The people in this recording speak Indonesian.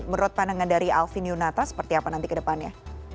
menurut pandangan dari alvin yunata seperti apa nanti ke depannya